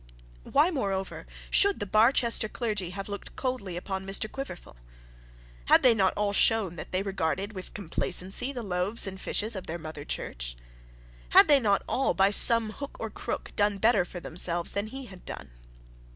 Why, moreover, should the Barchester clergy have looked so coldly on Mr Quiverful? Had they not all shown that they regarded with complacency the loaves and fishes of their mother church? Had they not all, by some hook or crook, done better for themselves than he had done?